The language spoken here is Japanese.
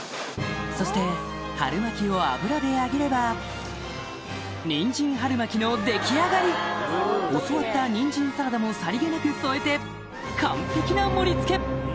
そして春巻きを油で揚げればニンジン春巻きの出来上がり教わったニンジンサラダもさりげなく添えて完璧な盛り付け！